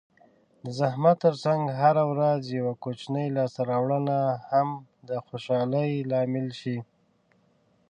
د زحمت ترڅنګ هره ورځ یوه کوچنۍ لاسته راوړنه هم د خوشحالۍ لامل شي.